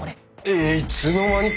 えっいつの間に！？